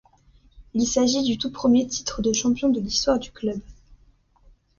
Il s'agit du tout premier titre de champion de l'histoire du club.